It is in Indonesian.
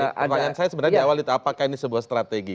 pertanyaan saya sebenarnya di awal itu apakah ini sebuah strategi